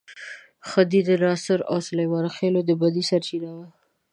خدۍ د ناصرو او سلیمان خېلو د بدۍ سرچینه وه.